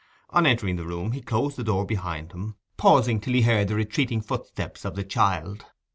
On entering the room he closed the door behind him, pausing till he heard the retreating footsteps of the child.